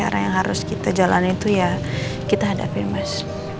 karena yang harus kita jalanin itu ya kita hadapi mas